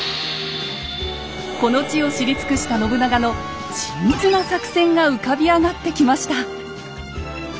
この地を知り尽くした信長の緻密な作戦が浮かび上がってきました。